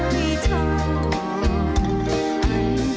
เสียงรัก